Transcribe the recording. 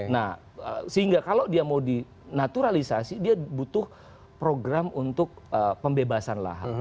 nah sehingga kalau dia mau dinaturalisasi dia butuh program untuk pembebasan lahan